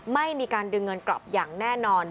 ไม่มีการดึงเงินกลับอย่างแน่นอน